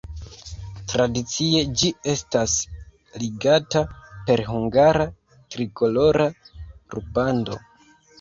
Tradicie ĝi estas ligata per hungara trikolora rubando.